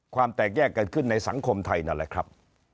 ความแตกแยกกันขึ้นในสังคมไทยนั่นแหละครับ